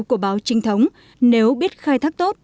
của báo trinh thống nếu biết khai thác tốt